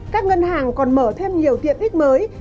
các ngân hàng còn mở thêm nhiều tiện ích mới